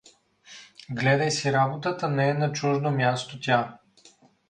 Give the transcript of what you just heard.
Гледай си работата, не е на чуждо място тя!